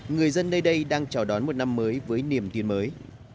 người dân nơi đây đang chào đón một năm mới với niềm tin mới